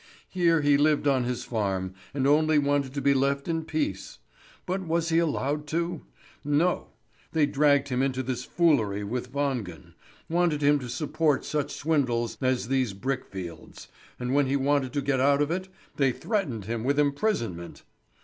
Here he lived on his farm, and only wanted to be left in peace; but was he allowed to? No; they dragged him into this foolery with Wangen wanted him to support such swindles as these brickfields; and when he wanted to get out of it, they threatened him with imprisonment.